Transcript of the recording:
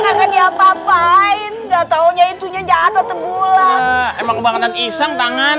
enggak diapa apain enggak taunya itunya jatuh terbulang emang banget iseng tangan